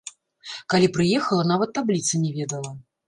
Калі прыехала, нават табліцы не ведала.